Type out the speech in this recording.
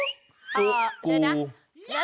นกกับบวกค่ะ